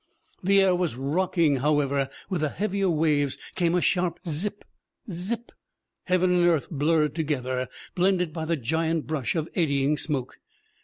The air was rock ing; moreover, with the heavier waves came a sharp zzzz ip! zzzzzz ipl Heaven and earth blurred together, blended by the giant brush of eddying smoke.